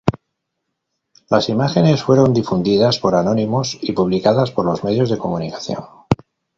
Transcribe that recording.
Las imágenes fueron difundidas por anónimos y publicadas por los medios de comunicación.